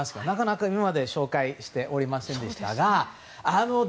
なかなか今まで紹介しておりませんでしたが。